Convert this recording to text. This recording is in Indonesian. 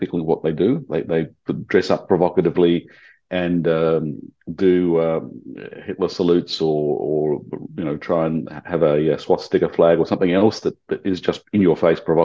itu adalah musim panjang yang panjang tentu saja dengan hari australia